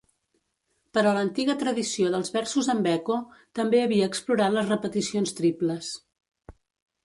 Però l'antiga tradició dels versos amb eco també havia explorat les repeticions triples.